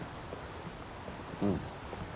うん。